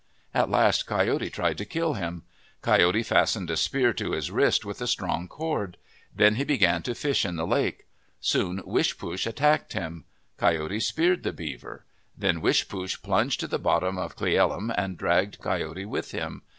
At last Coyote tried to kill him. Coyote fastened a spear to his wrist with a strong cord. Then he began to fish in the lake. Soon Wishpoosh attacked him. Coyote speared the beaver. Then Wishpoosh plunged to the bottom of Cle el lum and dragged Coyote with him.